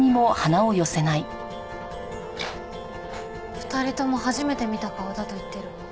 ２人とも初めて見た顔だと言ってるわ。